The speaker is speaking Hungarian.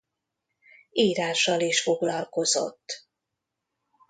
Írással is foglalkozott.